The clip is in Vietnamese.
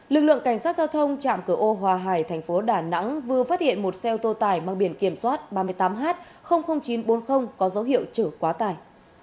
lực lượng cảnh sát giao thông trạm cửa ô hòa hải thành phố đà nẵng vừa phát hiện một xe ô tô tải mang biển kiểm soát ba mươi tám h chín trăm bốn mươi có dấu hiệu chở quá tải